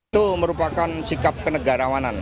itu merupakan sikap kenegarawanan